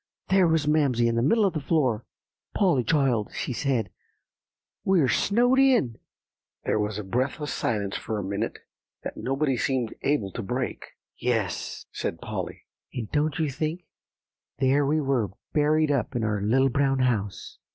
There was Mamsie in the middle of the floor. 'Polly, child,' she said, 'we're snowed in!'" There was a breathless silence for a minute, that nobody seemed able to break. "Yes," said Polly; "and don't you think, there we were buried up in our Little Brown House."